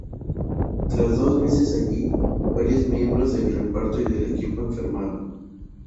Tras dos meses allí, varios miembros del reparto y del equipo enfermaron.